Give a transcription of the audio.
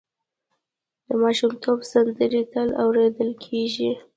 د ماشومتوب سندرې تل اورېدل کېږي.